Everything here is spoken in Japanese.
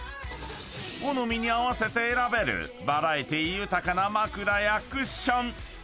［好みに合わせて選べるバラエティー豊かな枕やクッション］